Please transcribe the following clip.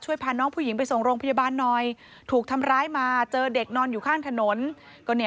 พาน้องผู้หญิงไปส่งโรงพยาบาลหน่อยถูกทำร้ายมาเจอเด็กนอนอยู่ข้างถนน